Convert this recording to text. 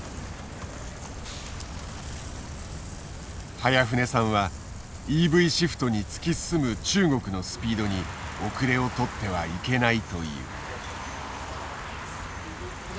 早舩さんはＥＶシフトに突き進む中国のスピードに遅れをとってはいけないという。